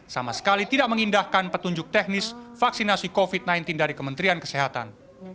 sama sekali tidak mengindahkan petunjuk teknis vaksinasi covid sembilan belas dari kementerian kesehatan